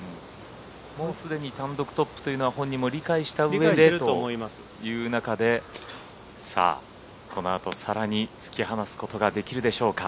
もうすでに単独トップというのは本人も理解したうえでという中でこのあと、さらに突き放すことができるでしょうか。